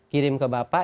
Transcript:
kirim ke bapak